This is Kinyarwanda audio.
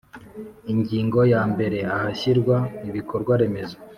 Ingingo yambere Ahashyirwa ibikorwa remezo